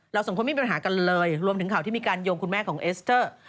เราสองคนไม่มีปัญหากันเลย